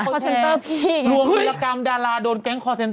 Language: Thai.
คอร์เซนเตอร์พี่หลวงธุรกรรมดาราโดนแก๊งคอร์เซนเตอร์